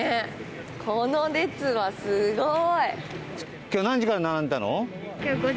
この列はすごい！